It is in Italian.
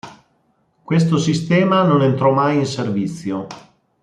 Questo sistema non entrò mai in servizio.